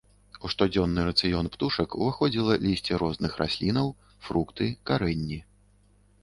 У штодзённы рацыён птушак уваходзіла лісце розных раслінаў, фрукты, карэнні.